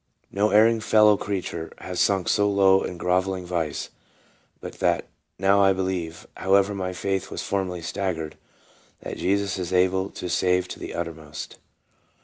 No erring fellow creature has sunk so low in grov elling vice, but that now I believe, however my faith was formerly staggered, that Jesus is " able to save to the uttermost."